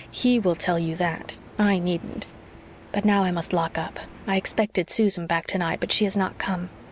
HE will tell you that I needn't. And now I must lock up. I expected Susan back tonight, but she has not come."